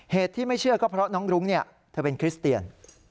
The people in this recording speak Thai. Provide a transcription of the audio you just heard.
เหตุที่ไม่เชื่อก็เพราะน้องรุ้งเธอเป็นคริสเตียน